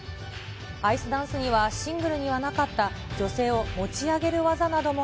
アイスダンスにはシングルにはなかった女性を持ち上げる技なども